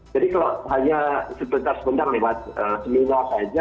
jadi kalau hanya sebentar sebentar lewat seminar saja